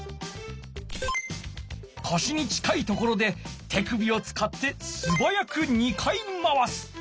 こしに近いところで手首をつかってすばやく２回まわす。